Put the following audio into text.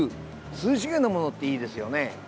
涼しげなものっていいですよね。